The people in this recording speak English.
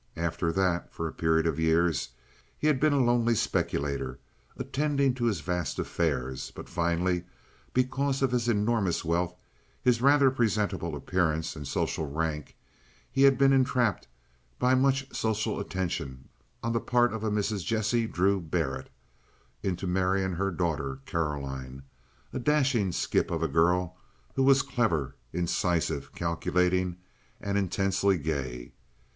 After that, for a period of years he had been a lonely speculator, attending to his vast affairs; but finally because of his enormous wealth, his rather presentable appearance and social rank, he had been entrapped by much social attention on the part of a Mrs. Jessie Drew Barrett into marrying her daughter Caroline, a dashing skip of a girl who was clever, incisive, calculating, and intensely gay.